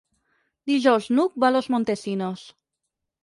Dijous n'Hug va a Los Montesinos.